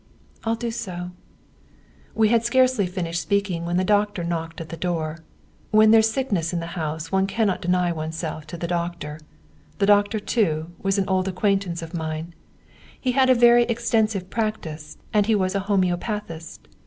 "I'll do so." We had scarcely finished speaking when the doctor knocked at the door. When there's sickness in the house one cannot deny oneself to the doctor. The doctor, too, was an old acquaintance of mine. He had a very extensive practice, and he was a homœopathist.